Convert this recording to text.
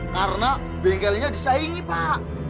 karena bengkelnya disaingi pak